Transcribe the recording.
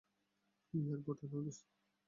এয়ারপোর্টে না দোস্ত।